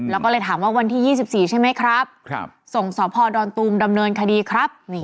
แล้วก็เลยถามว่าวันที่๒๔ใช่ไหมครับส่งสพดอนตูมดำเนินคดีครับ